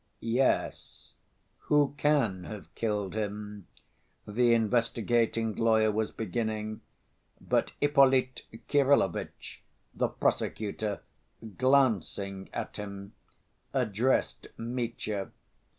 "Yes, who can have killed him?" the investigating lawyer was beginning, but Ippolit Kirillovitch, the prosecutor, glancing at him, addressed Mitya.